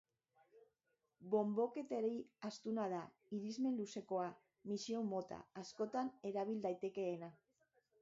Bonbaketari astuna da, irismen luzekoa, misio-mota askotan erabil daitekeena.